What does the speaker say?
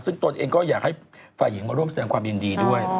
ซึ่งตนเองก็อยากให้ฝ่ายหญิงมาร่วมแสดงความยินดีด้วย